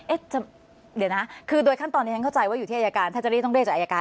เดี๋ยวนะคือโดยขั้นตอนนี้ฉันเข้าใจว่าอยู่ที่อายการถ้าจะเรียกต้องเรียกจากอายการ